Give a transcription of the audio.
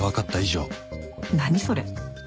何それ。